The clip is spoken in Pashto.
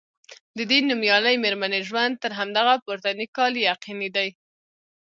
د دې نومیالۍ میرمنې ژوند تر همدغه پورتني کال یقیني دی.